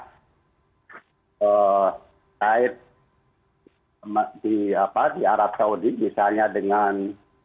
terkait di arab saudi misalnya dengan